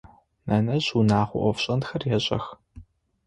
Нэнэжъ унэгъо ӏофшӏэнхэр ешӏэх.